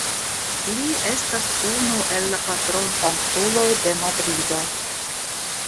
Li estas unu el la patronsanktuloj de Madrido.